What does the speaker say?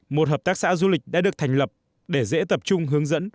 một hợp tác xã du lịch đã được thành lập để dễ tập trung hướng dẫn